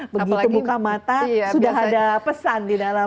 begitu buka mata sudah ada pesan di dalam